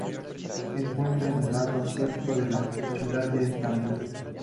Se encuentra en el lado asiático de la ciudad de Estambul.